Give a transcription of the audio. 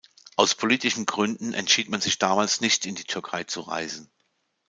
Aus politischen Gründen entschied man sich damals, nicht in die Türkei zu reisen.